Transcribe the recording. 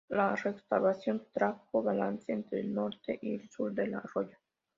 La restauración trajo balance entre el norte y el sur del arroyo.